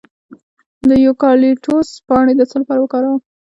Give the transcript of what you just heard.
د یوکالیپټوس پاڼې د څه لپاره وکاروم؟